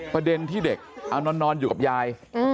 ประเด็นที่เด็กเอานอนอยู่กับยาย